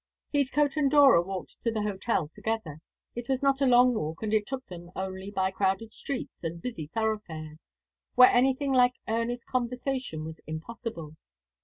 Heathcote and Dora walked to the hotel together. It was not a long walk, and it took them only by crowded streets and busy thoroughfares, where anything like earnest conversation was impossible.